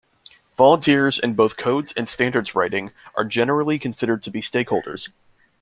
Volunteers in both codes and standards writing are generally considered to be stakeholders.